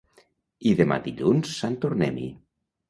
i demà dilluns sant tornem-hi